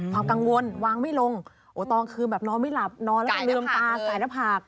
ความกังวลวางไม่ลงตอนคือแบบนอนไม่หลับนอนแล้วก็ลืมตาใส่หน้าผาก